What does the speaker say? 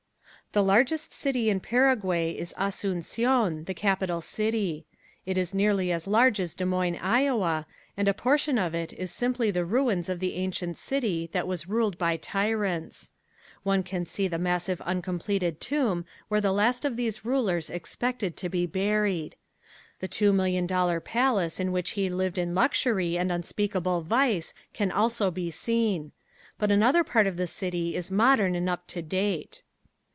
The largest city in Paraguay is Asuncion, the capital city. It is nearly as large as Des Moines, Iowa, and a portion of it is simply the ruins of the ancient city that was ruled by tyrants. One can see the massive uncompleted tomb where the last of these rulers expected to be buried. The two million dollar palace in which he lived in luxury and unspeakable vice can also be seen. But another part of the city is modern and up to date.